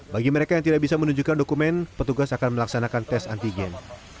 bagi mereka yang tidak bisa menunjukkan dokumen petugas akan melaksanakan tes antigen